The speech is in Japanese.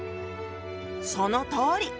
そのとおり！